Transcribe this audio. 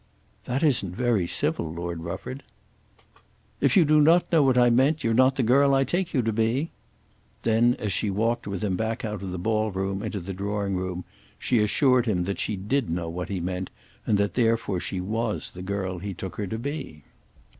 "That isn't very civil, Lord Rufford." "If you do not know what I meant, you're not the girl I take you to be." Then as she walked with him back out of the ball room into the drawing room she assured him that she did know what he meant, and that therefore she was the girl he took her to be.